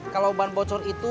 kalau ban bocor itu